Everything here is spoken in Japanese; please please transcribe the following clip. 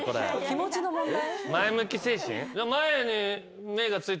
気持ちの問題？